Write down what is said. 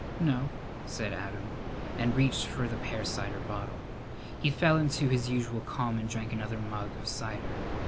"No," said Adam, and reached for the pear cider bottle. He fell into his usual calm and drank another mug of cider.